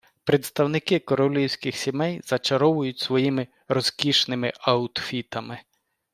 Представники королівських сімей зачаровують своїми розкішними аутфітами.